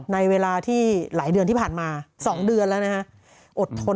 ในเวลาที่หลายเดือนที่ผ่านมา๒เดือนแล้วนะการอดทนกันหน่อยครับ